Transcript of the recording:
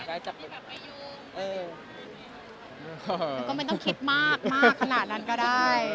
แล้วก็ไม่ต้องคิดมากมากขนาดนั้นก็ได้